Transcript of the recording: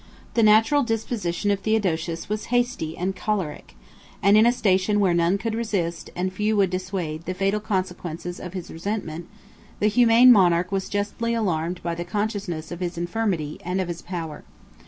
The natural disposition of Theodosius was hasty and choleric; and, in a station where none could resist, and few would dissuade, the fatal consequence of his resentment, the humane monarch was justly alarmed by the consciousness of his infirmity and of his power.